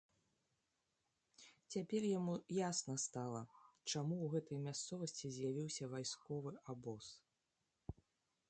Цяпер яму ясна стала, чаму ў гэтай мясцовасці з'явіўся вайсковы абоз.